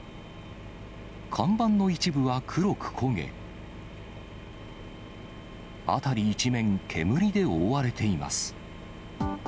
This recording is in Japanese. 看板の一部は黒く焦げ、辺り一面、煙で覆われています。